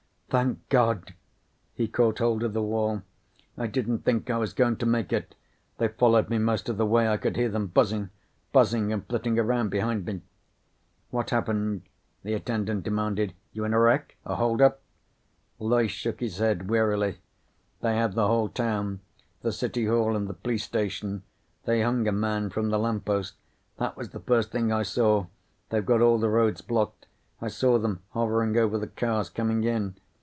"Thank God." He caught hold of the wall. "I didn't think I was going to make it. They followed me most of the way. I could hear them buzzing. Buzzing and flitting around behind me." "What happened?" the attendant demanded. "You in a wreck? A hold up?" Loyce shook his head wearily. "They have the whole town. The City Hall and the police station. They hung a man from the lamppost. That was the first thing I saw. They've got all the roads blocked. I saw them hovering over the cars coming in.